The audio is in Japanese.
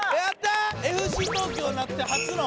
ＦＣ東京なって初の。